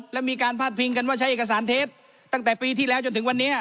และมีการพาดพิงกันว่าใช้เอกสารเท็จตั้งแต่ปีที่แล้วจนถึงวันนี้